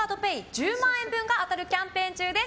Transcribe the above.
１０万円分が当たるキャンペーン中です。